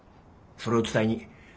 それを伝えに。